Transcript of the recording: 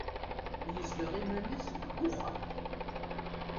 Yezdeɣ iman-is deg uxxam.